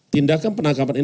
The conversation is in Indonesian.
tindakan penangkapan ini